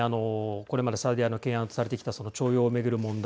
これまで最大の懸案とされてきたその徴用を巡る問題